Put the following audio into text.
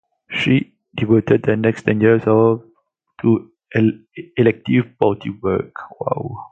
She devoted the next ten years to elective party work.